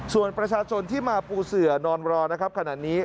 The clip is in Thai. ส่วนประชาชนที่มาปูเสือนอนรอขนาดนี้